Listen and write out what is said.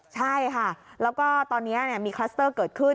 ใช่ค่ะแล้วก็ตอนนี้มีคลัสเตอร์เกิดขึ้น